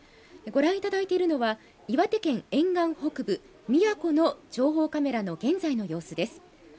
ご覧いただいているのは、岩手県沿岸北部宮古の情報カメラの現在の様子です。